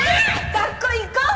学校行こう！